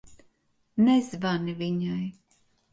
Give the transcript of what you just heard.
Nezvani viņai.